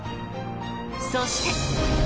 そして。